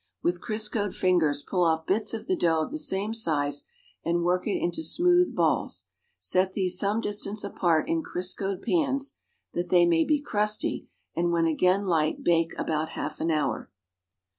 With Criscoed fingers pull off bits of the dough of the same size and work it into smooth balls. Set these some distance apart in Criscoed pans (that they may be crusty), and when again light bake about half an hour.